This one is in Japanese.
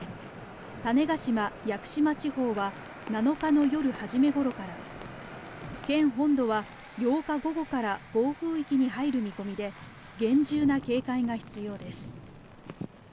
種子島・屋久島地方は、７日の夜初めごろから、県本土は８日午後から暴風域に入る見込みで、厳重な警戒が必要です。